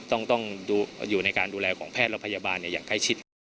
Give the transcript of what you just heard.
ต้องอยู่ในการดูแลของแพทย์และพยาบาลอย่างใกล้ชิดครับ